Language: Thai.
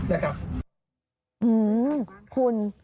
อืมคุณ